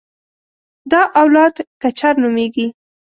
دا اولاد کچر نومېږي.